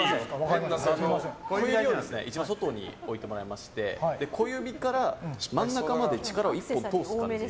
一番外に置いてもらいまして小指から真ん中まで力を一本通す感じで。